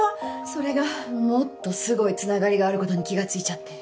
それがもっとすごいつながりがあることに気が付いちゃって。